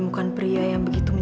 eh penjaga dokter